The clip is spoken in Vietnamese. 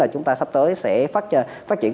chúng ta sắp tới sẽ phát triển